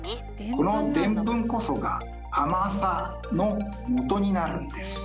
このデンプンこそが甘さのもとになるんです。